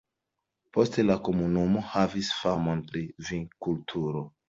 Poste la komunumo havis famon pri vinkulturo.